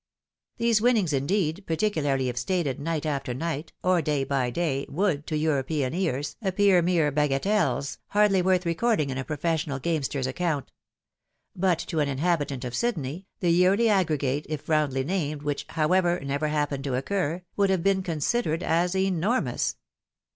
These winnings, indeed, particularly if stated night after night, or day by day, would, to European ears, appear mere bagatelles, hardly worth recording in a professional gamester's account ; but to an inhabitant of Sydney, the yearly aggregate, if roimdly named, which, however, never happened to occur, would have been considered as enormous.